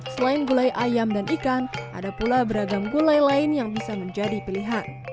selain gulai ayam dan ikan ada pula beragam gulai lain yang bisa menjadi pilihan